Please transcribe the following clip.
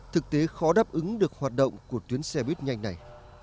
thực tế khó đáp ứng được hoạt động của tuyến xe buýt nhanh này